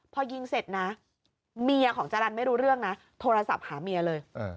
พอยิงเสร็จนะเมียของจารันไม่รู้เรื่องนะโทรศัพท์หาเมียเลย